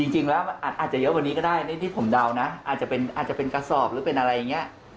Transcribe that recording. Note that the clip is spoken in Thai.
จริงแล้วมันอาจจะเยอะกว่านี้ก็ได้ที่ผมเดานะอาจจะเป็นกระสอบหรือเป็นอะไรอย่างนี้